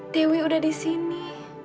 dewi udah di sini